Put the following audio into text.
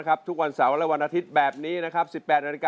สนุนโดยอวดหัวเป็นไข้ซาร่ายาเม็ดมันเทาปวดลดไข้พาราซาจม่อ๕๐๐มิลลิกรัม